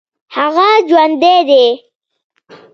هغه جوندى دى.